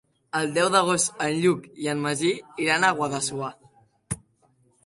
El deu d'agost en Lluc i en Magí iran a Guadassuar.